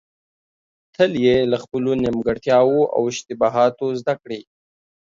تل يې له خپلو نيمګړتياوو او اشتباهاتو زده کړئ.